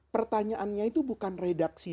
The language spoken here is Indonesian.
pertanyaannya itu bukan redaksi